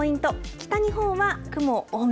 北日本は雲多め。